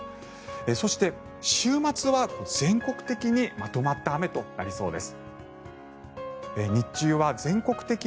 そして、週末は全国的にまとまった雨となりそうです。